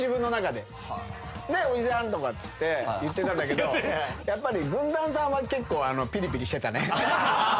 でおじさんとかっつって言ってたんだけどやっぱり軍団さんは結構。